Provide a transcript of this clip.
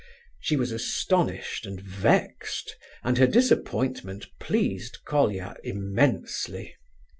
She was astonished and vexed, and her disappointment pleased Colia immensely.